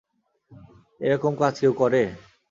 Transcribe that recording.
এরকম কাজ কেউ করে?